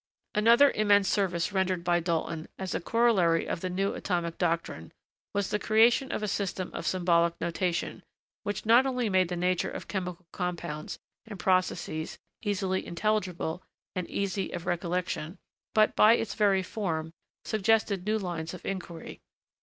Another immense service rendered by Dalton, as a corollary of the new atomic doctrine, was the creation of a system of symbolic notation, which not only made the nature of chemical compounds and processes easily intelligible and easy of recollection, but, by its very form, suggested new lines of inquiry.